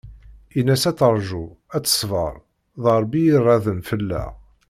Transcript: In-as ad terju, ad teṣber, d Rebbi i iraden fell-aɣ.